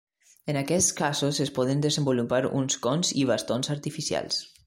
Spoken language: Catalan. En aquests casos es poden desenvolupar uns cons i bastons artificials.